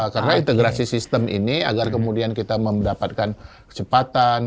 karena integrasi sistem ini agar kemudian kita mendapatkan kecepatan